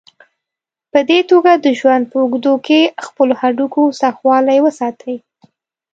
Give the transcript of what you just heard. په دې توګه د ژوند په اوږدو کې خپلو هډوکو سختوالی وساتئ.